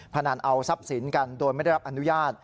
พนันเอาทรัพย์สินกันโดยไม่ได้รับอนุญาต